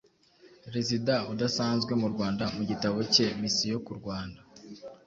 Rezida udasanzwe mu Rwanda, mu gitabo cye Misiyo ku Rwanda